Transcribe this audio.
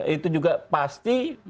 itu juga pasti